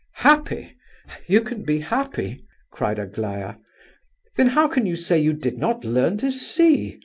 "Happy! you can be happy?" cried Aglaya. "Then how can you say you did not learn to see?